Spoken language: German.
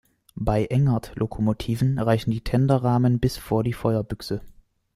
Bei Engerth-Lokomotiven reichen die Tenderrahmen bis vor die Feuerbüchse.